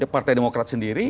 partai demokrat sendiri